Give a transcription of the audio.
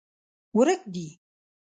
ورک دي